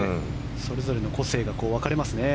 それぞれの個性が分かれますね。